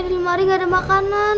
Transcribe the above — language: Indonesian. di lemari gak ada makanan